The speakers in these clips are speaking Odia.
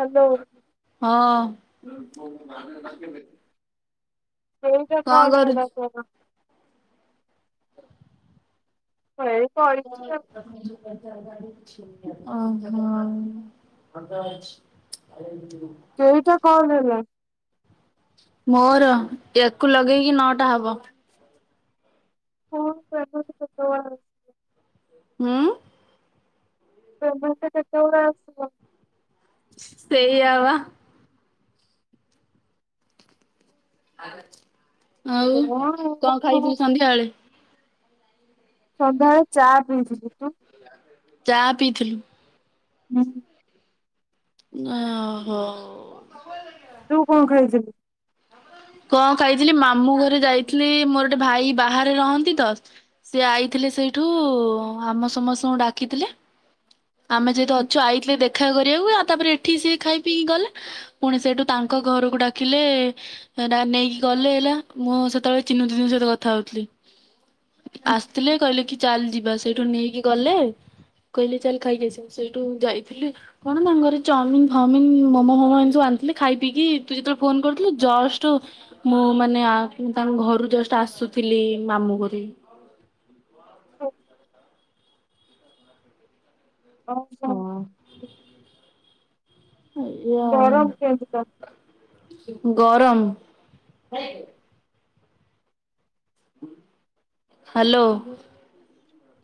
ହ୍ୟାଲୋ ହଁ ଆ। ସେଇଟା କଣ ହେଲା ତୋର। ଏଇ ବଇଚି ଆଉ। ଓ ହୋ। [unintelligible] ଏଇଟା କଣ ହେଲା? ମୋର ୟାକୁ ଲଗେଇକି ନଅ ଟା ହବ। [unintelligible] ହୁଁ। ପ୍ରୋଜେକ୍ଟ କେତେବେଳେ ଆସିବ? ସେଇୟା ବା। [unintelligible] ଆଉ କଣ କଣ ଆଉ ଖାଇଥିଲୁ ସନ୍ଧ୍ୟାବେଳେ? ସନ୍ଧ୍ୟାବେଳେ ଚା ପିଇଥିଲି ତୁ ଚା ପିଇଥିଲୁ [inaudible] ଓହୋ। ତୁ କଣ ଖାଇଥିଲୁ? କଣ ଖାଇଥିଲି ମାମୁଁ ଘରେ ଯାଇଥିଲି ମୋର ଗୋଟେ ଭାଇ ବାହାରେ ରହନ୍ତି ତ ସେ ଆଇଥିଲେ ସେଇଠୁ ଆମ ସମସ୍ତଙ୍କୁ ଡାକିଥିଲେ। ଆମେ ଯେହେତୁ ଅଛୁ ଆଇଥିଲେ ଦେଖା କରିବାକୁ ଆଉ ତାପରେ ଏଠି ସିଏ ଖାଇ ପିଇକି ଗଲେ ପୁଣି ସେଇଠୁ ତାଙ୍କ ଘରକୁ ଡାକିଲେ ନେଇକି ଗଲେ ହେଲା। ମୁଁ ସେତେବେଳେ ଚିନୁ ଚିନୁ ସହିତ କଥା ହଉଥିଲି। ଆସିଥିଲେ କହିଲେ କି ଚାଲ ଯିବା ସେଇଠୁ ନେଇକି ଗଲେ କହିଲେ ଚାଲ ଖାଇକି ଆସିଲୁ ସେଇଠୁ ଯାଇଥିଲି କଣ ତାଙ୍କ ଘରେ ଚାଉମିନ ଫାଉମିିନ ମୋମୋ ଫୋମୋ ଏମିତ୍ ସବୁ ଆଣିଥିଲେ ଖାଇ ପିଇକି ତୁ ଯେତେବେଳେ ଫୋନ କରିୁଥିଲୁ ଜଷ୍ଟ ମୁଁ ମାନେ ତାଙ୍କ ଘରୁ ଜଷ୍ଟ ଆସୁଥିଲି ମାମୁଁ ଙ୍କ କତିକି ହଁ [unintelligible] ଏଇଆ ଆଉ [unintelligible] ଗରମ। ହ୍ୟାଲୋ।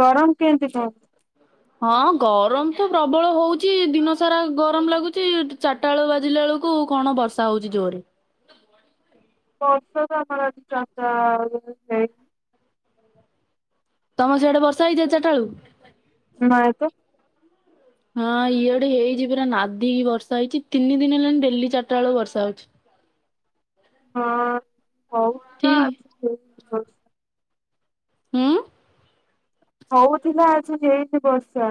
ଗରମ କେମିତ୍ କହ ହଁ ଗରମ ତ ପ୍ରବଳ ହଉଚ ଦିନ ସାରା ଗରମ ଲାଗୁଛି ଚାରିଟା ବେଳୁ ବାଜିଲା ବେଳକୁ କଣ ବର୍ଷା ହଉଛି ଜୋରେ [unintelligible] [unintelligible] [unintelligible] ତମ ସିଆଡେ ବର୍ଷା ହେଇଥିଲା ଚାରିଟା ବେଳକୁ? ନାଇଁ ତ। ହଁ ଇଆଡେ ହେଇଛି ପୁରା ନାଦିକି ବର୍ଷା ହେଇଛି ତିନି ଦିନି ହେଲାଣି ଡେଲି ଚାରିଟା ବେଳକୁ ବର୍ଷା ହଉଛି। ହଁ। ଠିକ [unintelligible] [unintelligible] ଉଁ। ହଉଥିଲା ଆଜି ଯେଏନ୍ତି ବର୍ଷା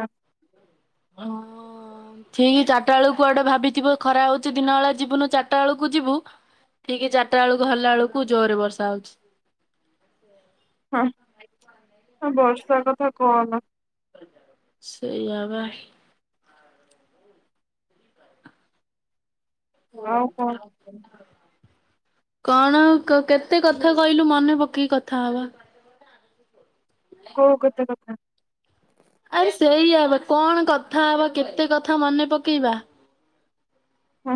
ଅ ହଁ ଠିକ ଚାରିଟା ବେଳକୁ କୁଆଡେ ଭାବିଥିବ ଖରା ହଉଛି ଦିନ ବେଳେ ଯିବୁନୁ ଚାରିଟା ବେଳକୁ ଯିବୁ। ଠିକ ଚାରିଟା ବେଳକୁ ବାହାରିଲା ବେଳକୁ ଜୋରରେ ବର୍ଷା ହଉଛି। ହଁ ହ ବ। ସା କଥା କହନା ସେଇଆବା। ହଉ ଆଉ କଣ ଯହା କଣ କେତେ କଥା କହିଲୁ ମନେ ପକେଇ କଥା ହବା କଉ କଥା। ହଁ। ଆରେ ସେଇଆ ବା କଣ କଥା ହବା କେତେ କଥା ମନେପକେଇବା। ହୁଁ।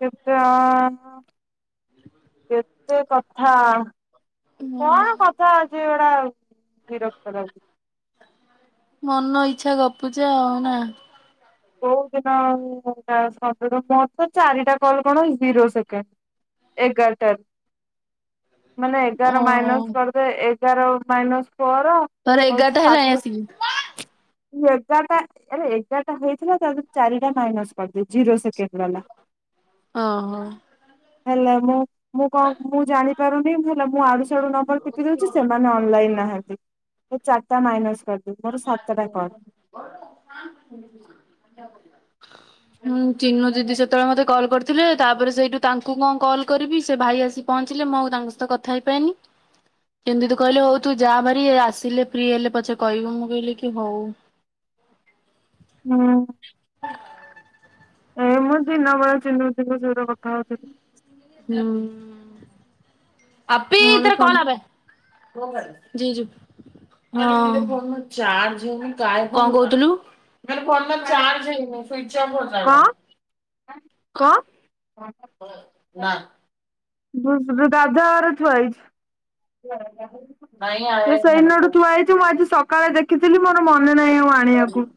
କେତେ ଆଁ ଆଁ କେତେ କଥା ଉଁ, କଣ କଥା ଅଛି? ସେଗୁଡା ବିରକ୍ତ ଲା ମନ ଇଚ୍ଛା ଗପୁଚେ ଆଉ ନା। କୋଉ ଦିନ [inaudible] ମୋତ ଚାରିଟା କଲ କଣ ଜିରୋ ସେକେଣ୍ଡ ଏଗାରଟାରୁ ମାନେ ଏଗାର ଓହୋ ମାଇନସ କରିଦେ ଏ ଏଗାର ମାଇନସ୍ ତାର ଏଗାରଟା ହେଲାଇଁ ଆସିକି ଏଗାରଟା ଏଗାରଟା ହୁ ତିକି ହ ତା ଚାରିଟା ମାଇନସ୍ କରିଦେ ଜିରୋ ସେକେଣ୍ଡ ବାଲା ଓ ହୋ। ହେଲା ମୁଁ ମୁଁ କଣ ମୁଁ ଜାଣିପାରୁନି ମୁଁ ମୁଁ ଆଡୁ ସାଡୁ ନମ୍ବର ଟିପି ଦଉଛି ସେମାନେ ଅନଲାଇନ ନାହାଁନ୍ତି। ଏ ଚାରିଟା ମାଇନସ୍ କରିଦେବି ମୋର ସାତଟା କଲ୍। [unintelligible] ହୁଁ ଚିନୁ ଦିଦି ସେତେବେଳେ ମତେ କଲ୍ କରିଥିଲେ। ତାପରେ ସେଇଠୁ ତାଙ୍କୁ କଣ କଲ କରିବି ସେ ଭାଇ ଆସି ପହଞ୍ଚିଲେ ମୁଁ ଆଉ ତାଙ୍କ ସହିତ କଥା ହେଇପାଇନି କେମିତି ତୁ କହିଲେ ହଉ ତୁ ଯା ଭାରି ଇଏ ଆସିଲେ ଫ୍ରି ହେଲେ ପଛେ କହିବୁ ମୁଁ କହିଲି କି ହଉ। ହଁ। [inaudible] ଏ ମୁଁ ଦିନବେଳା ଚିନୁ ଦିଦିଙ୍କ ସହିତ କଥା ହଉଥିଲି। ହୁଁ। ଆପି ମୋର ତୋର କଲ୍ ସମ୍ ଆ ଜି ଜି ହଁ ହଁ କଣ କହୁଥିଲୁ। ମେରେ ଫୋନ୍ ମେ କଣ ଚାର୍ଜ ହ ସ୍ଵିଚ ଅଫ୍ କଣ ନା ଗାଧୁଆ ଘରେ ଥୁଆ ହେଇଚି। ସେଇ ଦିନଠୁ ଥୁଆ ହେଇଚି ମୁଁ ଆଜି ସ ସକାଳେ ଦେଖିଥିଲି ମୁଁ ର ମନେ ନାହିଁ ଆଉ ଆଣିଆକୁ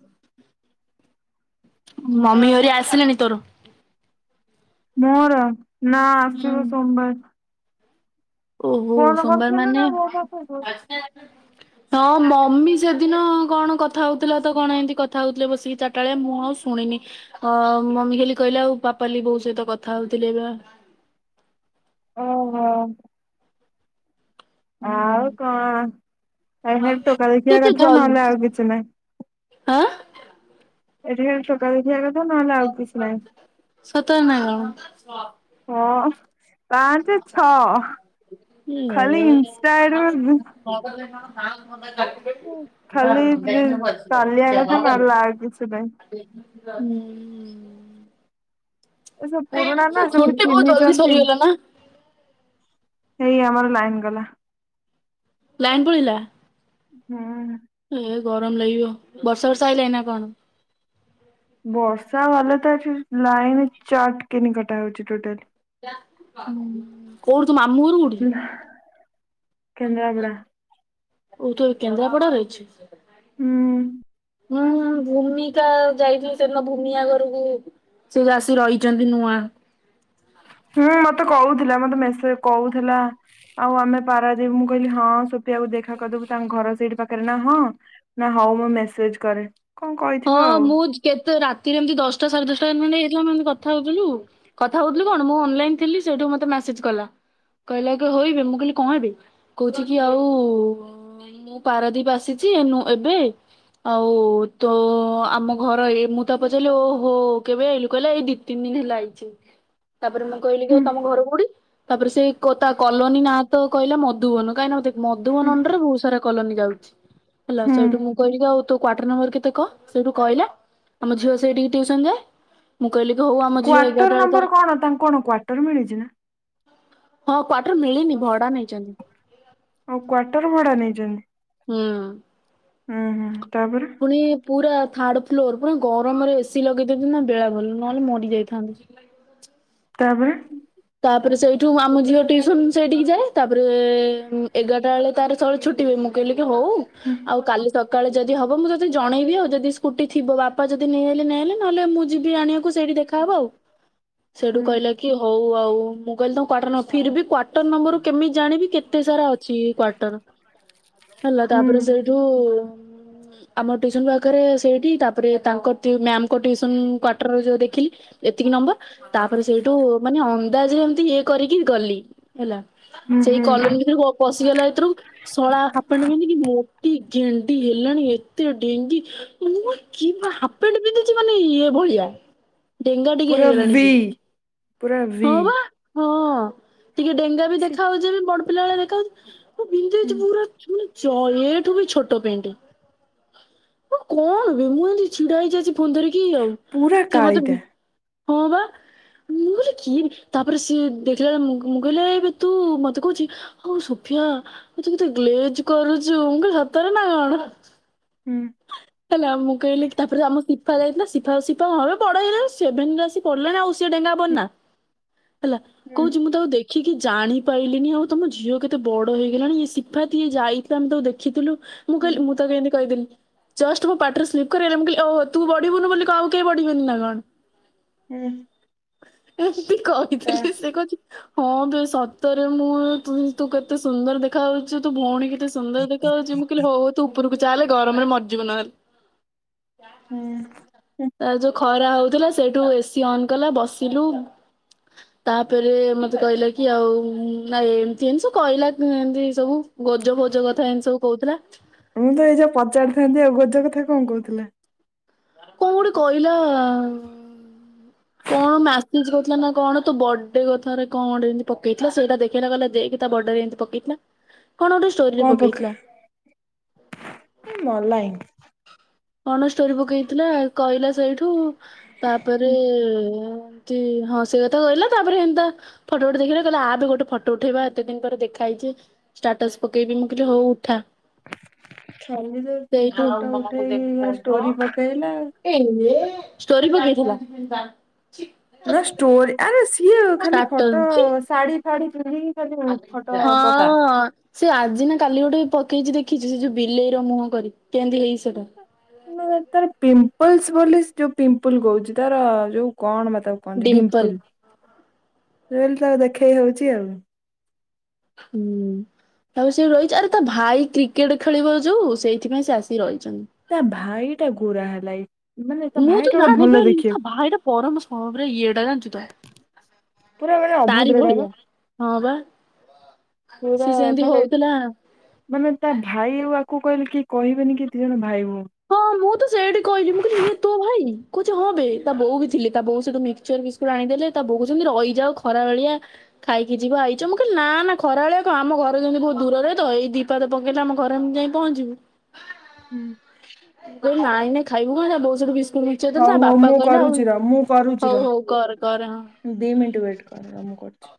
ମମି ହରିକା ଆସିଲେଣି ତୋର ମୋର ନା ଆସିବେ ସୋମବାର। ଓ ହୋ ଫୋନ ସୋମବାର କରିଥିଲୁ ମାନେ ନା ମୋ ପାଖକୁ। ହଁ ମମି ସେଦିନ କଣ କଥା ହଉଥିଲା ତ କଣ ଏମତି କଥା ହଉଥିଲେ ବସିକି ଚାରିଟା ବଳିଆ ମୁଁ ଆଉ ଶୁଣିନି ଅ ମମି ଖାଲି କହିଲେ ଆଉ ପାପାଲି ବୋଉ ସହିତ କଥା ହଉଥିଲେ ଏ ଓ ହୋ। ହୁଁ ଆଉ କଣ ହେଠ ଟୋକା ଦେଖିବା କଥା ନହେଲେ ଆଉ କିଛି ନହିଁ। ହଁ। ଏଠି ଖ ସକାଳୁ ଏଠି ସତର ନଗଁ ହଁ ପାଞ୍ଚେ ଛଅ ଖାଲି ଇନଷ୍ଟା ଆଇଡି ହଁ ଖାଲି ଚାଲିବା କଥା ନ ଲ କିଛି ନାଇ। ଏ ସବୁ ପୁରୁଣା ନା ହୁଁ। ସବୁ ଛୁଟି ବହୁତ ଜଲଦି ଚିହ୍ନିଛନ୍ତି ସରିଗଲା ନା। ଏଇ ଆମର ଲାଇନ ଗଲା। ଲାଇନ୍ ପଳିଲା। ହୁଁ। ଏ ଗରମ ଲାଇଯଉ ବର୍ଷା ବର୍ଷାାଇ ଲାଇନା କଣ? ବର୍ଷା ହେଲେ ତ ଏଠ ଲାଇନ୍ ଚାଟ କେନି କଟା ହଉଛି ଟୋଟାଲି କୋଉଠି ତୁ ମାମୁଁ ଘର କୋଉଠି? କେନ୍ଦ୍ରାପଡ଼ା। ଓ ତ କେନ୍ଦ୍ରାପଡ଼ା ରହିଛି। ହୁଁ। ହୁଁ ଭୂମିକା ଯାଇଥିଲେ ସେଦ ଭୂମିକା ଘରକୁ ସେ ଚାଷ ରହିଛନ୍ତି ନୂଆ। ହୁଁ ମତେ କହୁଥିଲା ମତେ ମେସେଜ କହୁଥିଲା ଆଉ ଆମେ ପାରାଦବୁ ମୁଁ କହିଲି ହଁ ସୋପିଆକୁ ଦେଖା କରିଦବୁ ତାଙ୍କ ଘର ସେଇଠି ପାଖରେ ନା ହଁ ନା ହଉ ମୁଁ ମେସେଜ କରେ। କଣ ହଁ କହିଥିବ ଆଉ। ମୁଁ କେତେ ରାତିରେ ଏମିତି ଦଶଟା ସାଢେ ଦଶଟା ହେଇଥିଲା ମାନେ କଥା ହେଉଥିଲୁ କଥା କଉଥିଲୁ କଣ ମୁଁ ଅନଲାଇନ ଥିଲି ସେଇଠୁ ମୋତେ ମେସେଜ୍ କଲା କହିଲା କି ହିବି ମୁଁ କହିଲି କହିବି କହୁଛି କି ଆଉ ମୁଁ ପାରାଦ୍ୱୀପ ଆସିଛି ଏବେ ଆଉ। ତ ଆମ ଘର ଏ ମୁଁ ତା ପଚାରିଲି ଓହୋ କେବେ ଆଇଲୁ କହିଲା ଏଇ ଦି ତିନି ଦିନ ହେଲା ହେଇଛି। ତାପରେ ମୁଁ କହିଲି କିଉ ହୁଁ ତମ ଘର ବୋଉଡିି ତାପରେ ସେ ତା କଲୋନୀ ନାଁ ତ କହିଲା ମଧୁବନ କାହିଁକି ହୁଁ। ମଧୁବନଣ୍ଡ ରେ ବହୁତ ସାରା କଲୋନୀ ଯାଉଛି। ହେଲା ହୁଁ ସେଇଠୁ ମୁଁ କରି ଆଉ ତ କଵଟ ନମ୍ବର କେ କ ସେଇଠୁ କହିଲା ଆମ ଝିଅ ସେଇଠିକ ଟିଉସନ ଦୋଏ। କ୍ଵଟର ନମ୍ବର କଣ ତାଙ୍କୁ କଣ କ୍ଵଟର ମିଳିଛି ନା। ହଁ କ୍୍ୱଟର ମିଳିନି ଭଡା ନେଇଛନ୍ତି। ଆଉ କ୍ଵାର୍ଟର ଭଡା ନେଇଛନ୍ତି। ହୁଁ। ହୁଁ ହୁଁ। ତବ୍ର ପୁଣି ପୁରା ଥାର୍ଡ ଫ୍ଲୋର ପୁରା ଗରମରେ ଏସିି ଲଗେଇଦନ୍ତି ନା ବେଳାବେଲ ନହେଲେ ମରି ଯାଇଥାନ୍ତି। ତାପରେ ତାପରେ ସେଇଠୁ ଆମ ଝିଅ ଟଟିୁସନ ସେଇଠିକି ଯାଏ ତାପରେ ଏଗାରଟା ବେଳେ ତାର ସୁଳେ ଛୁଟିବଏ ମୁଁ କହିଲି ହଉ ଆଉ କାଲି ସ କାଳେ ଯଦି ହବ ମୁଁ ତଦେ ଜଣବି ଆଉଦି ସ୍କୁୁଟି ଥିବ ବାପା ଯଦି ନେଇହଲେ ନଁ ହେଲେ ନହେଲେ ମୁଁ ଯିବି ଆଣିବାକୁ ସେଇଠି ଦେଖାହବ ଆଉ ସେଠୁ ହୁଁ କହିଲା ହଉ ଆଉ ମୁଁ କହିଲି ତଙ୍କ କ୍ୱାର୍ଟର ନମ୍ବର ଫିର ବି କ୍ୱାର୍ଟର ନମ୍ବର କେମିତି ଜାଣିବି କେତେ ସାରା ଅଛି କ୍ଵଟର ହେଲା ହୁଁ ତାପରେ ସେଇଠୁ ଆମ ୁସନ ପାଖରେ ସେଇଠି ତାପରେ ତାଙ୍କ ମ୍ୟାମଙ୍କୁସନ କ୍ାର୍ଟର ଯ ଦେଖିଲି ଏତିକି ନମ୍ବର ତାପରେ ସେଇଠି ଦାହରେ ଏମିତି ଇଏ କରିକି ଗଲି ହେଲା ହୁଁ ସେଇ ହୁଁ କଲନୀ ଭିତରେ ପଶିଗଲା ଏଥିରୁ ଶଳା ହାପାଣ୍ଣ୍ଡ ପିନ୍ଧିକି ମୁ ଏେ ଗେଣ୍ଡି ହେଲାଣି ଏତେ ଡେଙ୍ଗ ମୁ କିପେ ପିନ୍ଧିଛି ମାନେ ଇଏ ଭଳିଆ ଡେଙ୍ଗା ଟିକେ ହେଇଗଲାଣି ସେ ପବି ହଁ। ଟିକେ ଡେଙ୍ଗା ବି ଦେଖାାଉଛି ବି ବ ପିଲାଳେ ଦେଖ ଓ ବିିନ୍ଦ ହୁଁ ପୁର ଏଠୁ ବି ଛୋଟ ପେଣ୍ଟ ଆ କଣ ବି ମୁଁ ଏମିତି ଛିଡା ହେଇାଇଛି। ଫୁଣି ଧରିକି ଆଉ ପୁରା ସେ ମତେ କାଳିଟା ହଉ ବା କିଏ ତାପରେ ସିଏ ଦେଖିଲା ବେଳେ ମୁଗେଇିଲ ଏବେ ତୁ ମତେ କହୁଛି ହଉ ସୋଫିଆ ତୁ କେତେ ଗଜ କରୁଛୁ କ ସତରେ ନା କଣ? ହୁଁ ହେଲା ମୁଁ କହିଲି ତାପରେ ଆମ ଶ ସିଫା ଯାଇଥିଲା ସିଫା ସିଫା ହବେ ବଡ ହେଇଗ ସେଭେନ ଆସି ପଡିଲେ ନା ଆଉ ସି ଡୋ ପ ନା ହେଲା ହୁଁ କହୁଛି ମୁଁ ତ ଆଉ ଦେଖି ଦେଖିକି ଜାଣିପ ପାଇଲିିନି ଆଉ ତମ ଝିଅ କେତେ ବଡଡ଼ ହେଇଗଲାଣି ଇଏ ଶିଫା ଇଏ ଯାଇଥିଲା ଆମେ ତକୁ ଦେଖିଥିଲୁ। ମୁଁ ହୁଁ କହିଲ ମୁଁ ତ କେମିତି କହିଥିଲି। ଜଷ୍ଟ ମୋ ପାଟିରେ ସ୍ଲିପ୍ କରଲି ମୁଁ କହିଲି ଓହୋ ତୁ ବଢିବୁନୁ ବୋଲି ଆଉ କେହି ବଢିବିନନି ନା କଣ? ହୁଁ। ହ। ସେ କ ତା ଅକିଲେ ସେ କଛି ହଁ ତୁଇ ସତରେ ମୁଁ ତୁ କେତେ ସୁନ୍ଦର ଦେଖାଉ ତୁ ଭଉଣ କେତେ ସୁନ୍ଦର ଦେଖ ଯି ମୁଁ କିହିଲ ହବ ତୁ ଉପରକୁ ଚାହାଲେ ଗରମରେ ମରିଯିବ ନହେଲେ ହୁଁ ତା ଯୋଉ ଖରା ହେଉଥିଲା ସେଇଠୁ ଏସିି ଅନ୍ କଲା ବସ୍ ଥିଲୁ ତାପରେ ମତେ କହିଲା କି ଆଉ ନାଇ ଏମତି ଏମିତି ସବୁ କହିଲା ଏମତି ସବୁ ଗଜ ଭୋଜ କଥା ଏମତି ସବୁ କହୁଥିଲା। ମୁଁ ଏଇ ଯୋଉ ପଚାରିଥାନ୍ତି ଆଉ ତ ଗୋଜ କଥା କଣ କହୁଥିଲା? କଣ ଗୋଟେ କହିଲା ଉଁ କଣ ମ୍ୟାସିଜ କରିଥିଲା ନା କଣ ତୁ ବଡେ କଥା ରେ କଣ ଏମିତି ପକେଇଥିଲା ସେଇଟା ଦେଖେଇଲା କହିଲା ତା ବଡରେମତି ପକେଇଥିଲା। କଣ ଗୋଟେ ଷ୍ଟୋରିରେ କଣ ପକ ପକେଇଥିଲା ମ ଲାଇନ୍‌ କଣ ଷ୍ଟୋରି ପକେଇଥିଲା କହିଲା ସେଇଠୁ ତାପରେ କହୁଚି ହଁ ସେ କଥା କହିଲା ତାପରେ ଏନ୍ତା ଫୋଟ ଗୋଟେ ଦେଖିବା କହିଲା ଆ ବି ଗୋଟେ ଫଟୋ ଉଠେଇବା ଏତେ ଦିନ ପରେ ଦେଖା ହେଇଛି ଷ୍ଟାଟସ ପକେଇବି ମୁଁ କହିଲି ହଉ ଉଠା। ଖାଲି ତ ଫୋଟ ଉଠେଇ କି ଏ ହେ ଷ୍ଟୋରି ପକେଇଥିଲା ନା ଷ୍ଟୋରି ଆରେ ସେ ସିଏ ଖାଲି ଷ୍ଟାଟସ ଫଟୋ ଶାଢ଼ୀ ଶାଢ଼ୀ ଚୁଡ଼ି ହଁ ସେ ଆଜି ନା କାଲି ଗୋଟେ କିଛି ଦେଖିଛି ସେ ଯୋଉ ବିଲେଇ ର ମୁହଁ କରି କେମିତି ହେଇଚି। ଉଠା ମାନେ ତାର ପିମ୍ପଲସ ବୋଲି ଯୋଉ ପିମ୍ପଲ କହୁଛି ତାର ଯୋଉ କଣ ମେ ତାକୁ କହନ୍ତି ଡିମ୍ପଲ। ରହିଲ ତାକୁ ଦେଖେଇ ହଉଛି ଆଉ ହୁଁ ତାଉ ସେ ରହିଛି ଆରେ ତା ଭାଇ କ୍ରିକେଟ ଖେଳିବ ଯୋଉ ସେଇଥିପାଇଁ ସେ ଆସିିକି ରହିଛି। ତା ଭାଇ ଟା ଗୋରା ହେଲା ଲାଇଫ୍ ମୁଁ ତ ଜାଣପିଲି ତ ଭାଇଟା ପରମ ସମ ଇଏଟା ଜାଣିଛୁ ତ ପୁରା ମାନେ ତାରି ଅଭଦ୍ରଟା ଭଳିଆ ହଁ ବା ସେ ପୁରୁରା ସେମିତି ମାନେ ହଉଥିଲା। ମାନେ ତା ଭାଇ କୁ କହିଲେ କି କହିବେନି କି ଦି ଜଣ ଭାଇ ଭଉଣୀ ହଁ ମୁଁ ତ ସେଇଠି କହିଲି ମୁଁ କହିଲି ଇଏ ତୋ ଭାଇ କହୁଛି ହଁ ବେ ତା ବୋଉ ବି ଥିଲେ ତା ବୋଉ ସେଠୁ ମିକ୍ସଚର ବିସ୍କୁଟ ଆଣିଦେଲେ ତା ବୋଉ କହୁଛନ୍ତି ଖରା ବେଳିଆ ଖାଇକି ଯିବା ଆଇଛ ମୁଁ କହିଲି ନା ଖରା ବେଳିଆ କଣ ଆମ ଘରେ ଯେମିତି ବହୁତ ଦୂରରେ ତ ଏଇ ଦିପାଦ ପକେଇଲେ ଆମ ଘରେ ଯାଇଁ କି ପହଞ୍ଚିବୁ। ହୁଁ। ମୁଁ କହିଲି ନାଇଁ ନାଇଁ ନାଇଁ ଖାଇବୁ କଣ ବୋଉ ସେଠି ବିସ୍କୁଟ ମିକ୍ସଚର ଦେଲେ ତା ହଉ ହଉ ବାପା ମୁଁ କହିଲେ ଆଉ କରୁଛି ର ମୁଁ କରୁଛି ହଉ ର ହଉ କର କର ହଁ ଦି ମିନିଟ ୱେଟ କର ମୁଁ କରୁଛି।